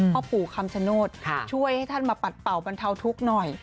พ่อปู่คำชโนธช่วยให้ท่านมาปัดเป่าบรรเทาทุกข์หน่อย